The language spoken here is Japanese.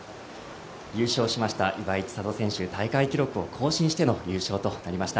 優勝しました岩井千怜選手大会記録を更新しての優勝となりました。